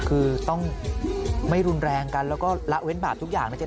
คือต้องไม่รุนแรงกันแล้วก็ละเว้นบาปทุกอย่างนะ